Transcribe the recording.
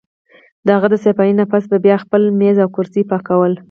د هغه د صفائي نه پس به بیا ما خپل مېز او کرسۍ پاکول